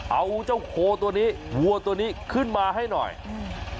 เอาเจ้าโคตัวนี้วัวตัวนี้ขึ้นมาให้หน่อยอืม